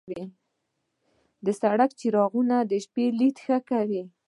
د سړک څراغونه د شپې لید ښه کوي.